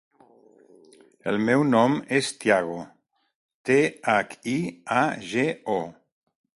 El meu nom és Thiago: te, hac, i, a, ge, o.